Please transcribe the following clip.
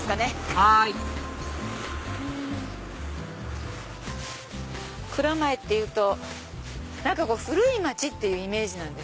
はい蔵前っていうと古い町ってイメージです